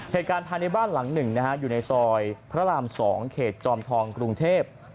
เหตุการณ์ภายในบ้านหลังหนึ่งอยู่ในซอยพระราม๒เขตจอมทองกรุงเทพ